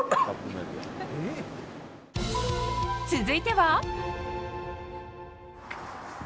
続いては。